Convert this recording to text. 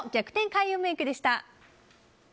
開運メイクでした。